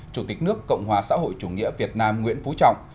chủ tịch nước cộng hòa xã hội chủ nghĩa việt nam nguyễn phú trọng